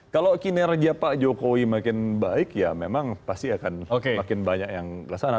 kalau kinerja pak jokowi makin baik ya memang pasti akan makin banyak yang kesana